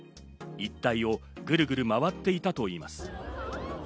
一帯をグルグル回っていたといいます。